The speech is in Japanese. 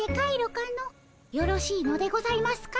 よろしいのでございますか？